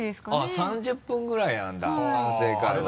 ３０分ぐらいなんだ反省会は。